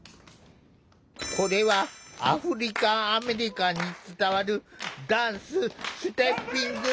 これはアフリカンアメリカンに伝わるダンスステッピング。